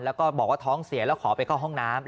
แล้วก็บอกว่าท้องเสียแล้วขอไปเข้าห้องน้ำ